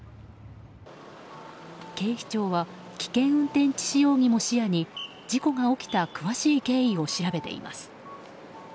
警視庁は危険運転致死容疑も視野に事故が起きた詳しい経緯を調べています。